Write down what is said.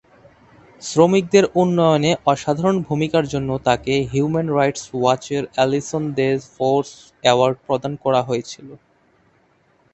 শ্রমিকদের উন্নয়নে অসাধারণ ভূমিকার জন্য তাকে হিউম্যান রাইটস ওয়াচের অ্যালিসন দেস ফোর্স অ্যাওয়ার্ড প্রদান করা হয়েছিল।